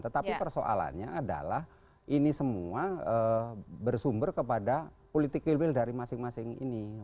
tetapi persoalannya adalah ini semua bersumber kepada political will dari masing masing ini